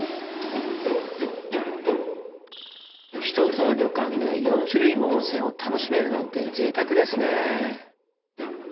１つの旅館で４種類も温泉を楽しめるなんてぜいたくですね。